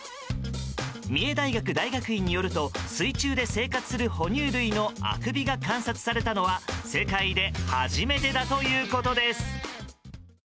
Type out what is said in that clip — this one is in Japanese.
三重大学大学院によると水中で生活する哺乳類のあくびが観察されたのは世界で初めてだということです。